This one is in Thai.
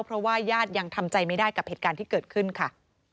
เพราะว่าญาติยังทำใจไม่ได้กับเหตุการณ์ที่เกิดขึ้นค่ะ